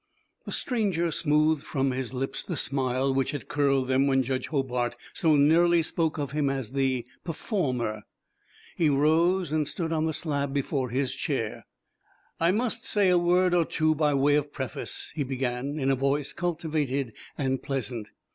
The stranger smoothed from his lips the smile which had curled them when Judge Hobart so nearly spoke of him as the "performer." He rose, and stood on the slab before his chair. "I must say a word or two by way of preface," he began, in a voice cultivated and pleasant.